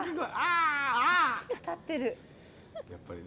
やっぱりね